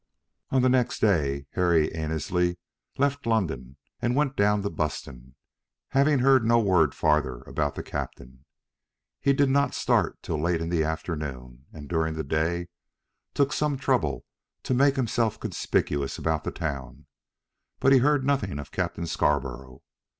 On the next day Harry Annesley left London and went down to Buston, having heard no word farther about the captain. He did not start till late in the afternoon, and during the day took some trouble to make himself conspicuous about the town; but he heard nothing of Captain Scarborough.